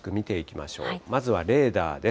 まずはレーダーです。